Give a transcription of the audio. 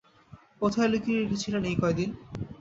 কোথায় লুকিয়ে রেখেছিলেন এই কয়দিন?